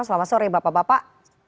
selamat sore bapak bapak